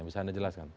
bisa anda jelaskan